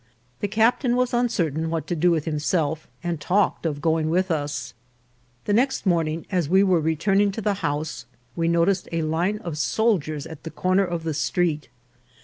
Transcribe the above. The captain was uncertain what to do with himself, and talked of going with us. The next afternoon, as we were returning to the house, we noticed a line of soldiers at the corner of the street.